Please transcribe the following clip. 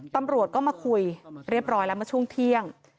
ตำรวจก็มาคุยเรียบร้อยแล้วเมื่อช่วงเที่ยง